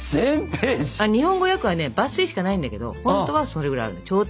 日本語訳はね抜粋しかないんだけどほんとはそれぐらいあるの超大作。